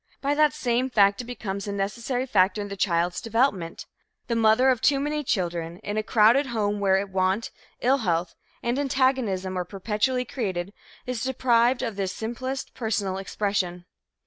By that same fact, it becomes a necessary factor in the child's development. The mother of too many children, in a crowded home where want, ill health and antagonism are perpetually created, is deprived of this simplest personal expression.